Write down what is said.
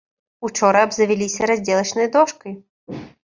Учора абзавяліся раздзелачнай дошкай.